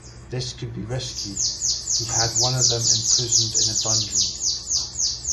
This could be risky; he had one of them imprisoned in a dungeon.